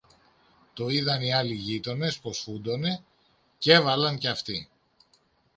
Το είδαν οι άλλοι γείτονες πως φούντωνε, κι έβαλαν και αυτοί.